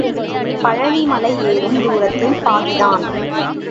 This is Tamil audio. பழனி மலை ஏறும் தூரத்தில் பாதிதான்.